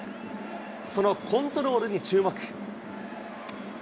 そのコントロールに注目。